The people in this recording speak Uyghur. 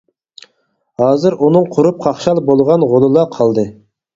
ھازىر ئۇنىڭ قۇرۇپ قاقشال بولغان غولىلا قالدى.